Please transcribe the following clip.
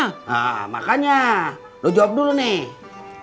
hah makanya lu jawab dulu nih